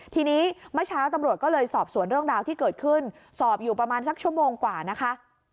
ทีนี้เมื่อเช้าตำรวจก็เลยสอบสวนเรื่องราวที่เกิดขึ้นสอบอยู่ประมาณสักชั่วโมงกว่านะคะ